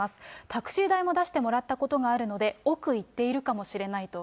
タクシー代も出してもらったことがあるので、億いっているかもしれないと。